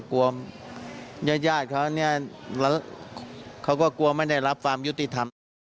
กลัวยาดเขาเนี่ยเขาก็กลัวไม่ได้รับความยุติธรรม